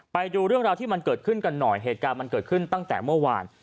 ไปดูเรื่องราวที่มันเกิดขึ้นกันหน่อยเหตุการณ์มันเกิดขึ้นตั้งแต่เมื่อวาน